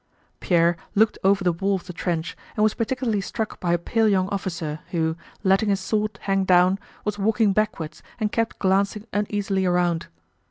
Pierre looked over the wall of the trench and was particularly struck by a pale young officer who, letting his sword hang down, was walking backwards and kept glancing uneasily around.